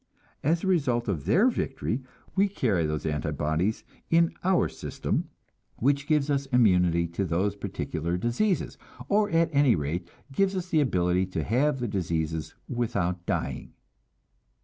As the result of their victory, we carry those anti bodies in our system, which gives us immunity to those particular diseases, or at any rate gives us the ability to have the diseases without dying.